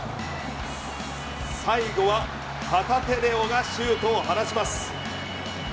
最後は旗手怜央がシュートを放ちます。